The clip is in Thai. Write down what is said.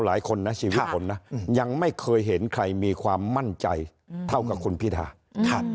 หลายคนนะชีวิตผมนะยังไม่เคยเห็นใครมีความมั่นใจเท่ากับคุณพิธา